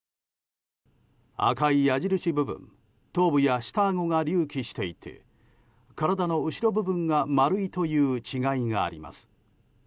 赤い矢印部分頭部や下あごが隆起していて体の後ろ部分が丸いという違いがあります。